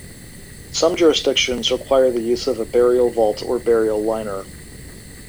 Some jurisdictions require the use of a burial vault or burial liner.